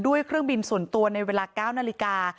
เครื่องบินส่วนตัวในเวลา๙นาฬิกา